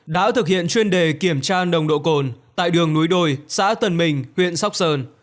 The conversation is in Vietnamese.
đã thực hiện chuyên đề kiểm tra nồng độ cồn tại đường núi đồi xã tân bình huyện sóc sơn